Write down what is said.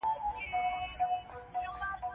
د زړه بای پاس د بندو رګونو د خلاصون لپاره کېږي.